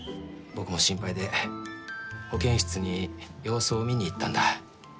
僕も心配で保健室に様子を見に行ったんだ。